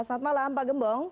selamat malam pak gembong